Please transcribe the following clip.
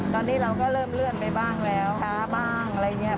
ตอนนี้เราก็เริ่มเลื่อนไปบ้างแล้วช้าบ้างอะไรอย่างนี้